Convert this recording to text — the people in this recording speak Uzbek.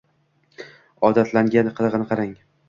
Odatlangan... qilig‘ini qarang?